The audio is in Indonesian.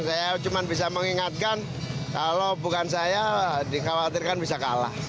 saya cuma bisa mengingatkan kalau bukan saya dikhawatirkan bisa kalah